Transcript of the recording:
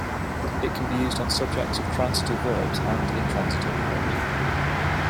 It can be used on subjects of transitive verbs and intransitive verbs.